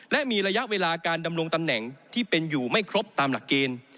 และมีระยะเวลาการดำรงตำแหน่งที่เป็นอยู่ไม่ครบตามหลักเกณฑ์